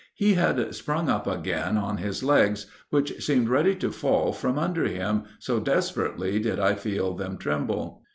He had sprung up again on his legs, which seemed ready to fall from under him, so desperately did I feel them tremble."